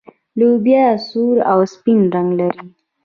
لوبیا سور او سپین رنګ لري.